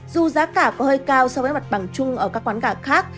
dù giá cả có hơi cao so với mặt bằng chung ở các quán gà khác